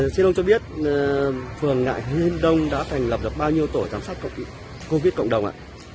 xin ông cho biết phường ngại hiên đông đã thành lập được bao nhiêu tổ giám sát cộng covid cộng đồng ạ